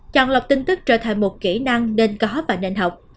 chọn lọc tin tức trở thành một kỹ năng nên có và nên học